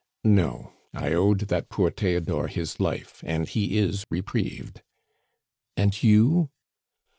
"No; I owed that poor Theodore his life, and he is reprieved." "And you?"